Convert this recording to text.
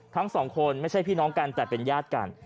ทั้งสองคนไม่ใช่พี่น้องกันแต่เป็นญาติกัน